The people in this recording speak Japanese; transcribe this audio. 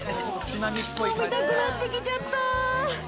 食べたくなってきちゃった！